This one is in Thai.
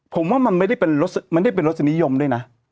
ผมว่ามันไม่ได้เป็นรสนิยมด้วยนะ